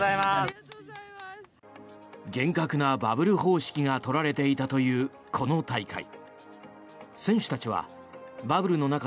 厳格なバブル方式が取られていたというこの大会。